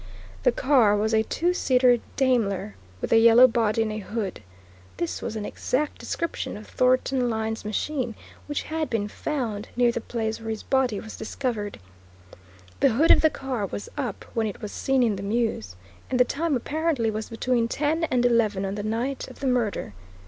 The car was a two seater Daimler with a yellow body and a hood. This was an exact description of Thornton Lyne's machine which had been found near the place where his body was discovered. The hood of the car was up when it was seen in the mews and the time apparently was between ten and eleven on the night of the murder.